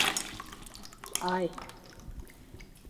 Aj.